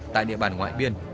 tại địa bàn ngoại biên